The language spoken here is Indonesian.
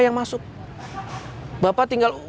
yang masuk bapak tinggal